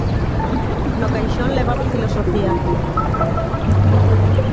No caixón levaba Filosofía.